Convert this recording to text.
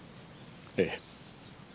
ええ。